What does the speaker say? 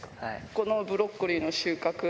このブロッコリーの収穫。